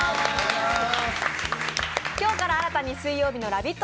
今日から新たに水曜日のラヴィット！